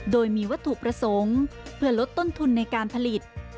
โดยมีวัตถุประสงค์เพื่อลดต้นทุนในการผลิต